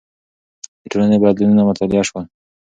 د ټولنې بدلونونه مطالعه شول.